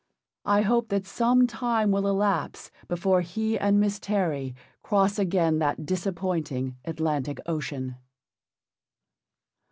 I hope that some time will elapse before he and Miss Terry cross again that disappointing Atlantic Ocean.